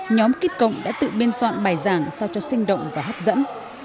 nhóm kit cộng đã tự biên soạn bài giảng sao cho sinh động và hấp dẫn